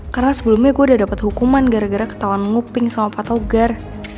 karena sebelumnya gue udah dapet hukuman gara gara ketawa nguping sama patogar